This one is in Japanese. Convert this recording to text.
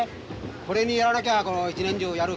これにやらなきゃこの一年中やる